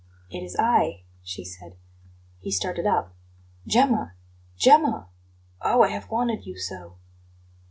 "It is I," she said. He started up. "Gemma, Gemma! Oh, I have wanted you so!"